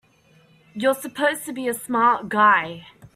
You're supposed to be a smart guy!